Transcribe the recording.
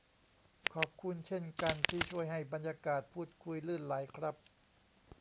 ขอบคุณเช่นกันที่ช่วยให้บรรยากาศพูดคุยลื่นไหลครับ